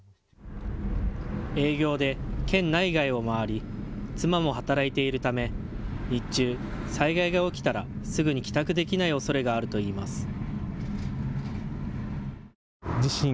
営業で県内外を回り妻も働いているため日中、災害が起きたらすぐに帰宅できないおそれがあるといいます。